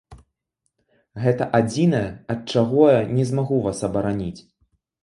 Гэта адзінае, ад чаго я не змагу вас абараніць.